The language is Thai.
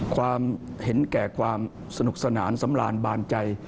ความเห็นแก่ความสนุกสนานสำราญบานใจ